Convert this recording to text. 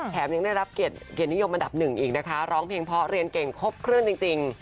ยังได้รับเกียรตินิยมอันดับหนึ่งอีกนะคะร้องเพลงเพราะเรียนเก่งครบเครื่องจริง